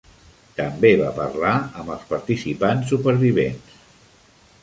També va parlar amb els participants supervivents.